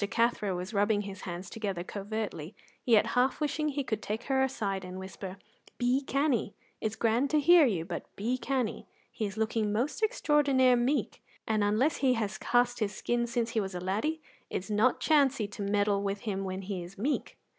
Cathro was rubbing his hands together covertly, yet half wishing he could take her aside and whisper: "Be canny; it's grand to hear you, but be canny; he is looking most extraordinar meek, and unless he has cast his skin since he was a laddie, it's not chancey to meddle with him when he is meek."